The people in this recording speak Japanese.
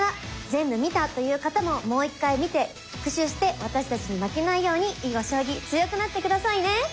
全部見たという方ももう１回見て復習して私たちに負けないように囲碁将棋強くなって下さいね！